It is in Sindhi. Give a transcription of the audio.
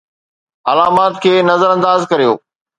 علامات کي نظر انداز ڪريو